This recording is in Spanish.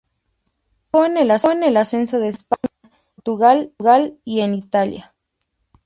Jugó en el ascenso de España, en Portugal y en Italia.